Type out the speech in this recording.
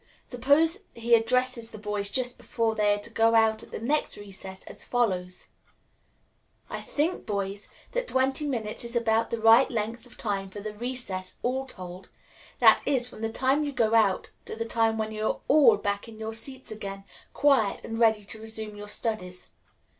Suppose he addresses the boys just before they are to go out at the next recess, as follows: "I think, boys, that twenty minutes is about the right length of time for the recess, all told that is, from the time you go out to the time when you are all back in your seats again, quiet and ready to resume your studies.